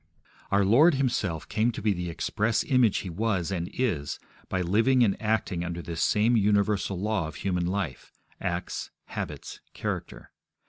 Our Lord Himself came to be the express image He was and is by living and acting under this same universal law of human life acts, habits, character.